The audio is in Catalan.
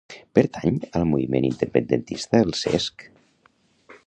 Pertany al moviment independentista el Cesc?